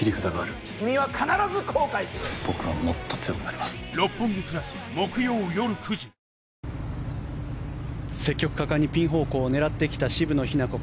あー積極果敢にピン方向を狙ってきた渋野日向子。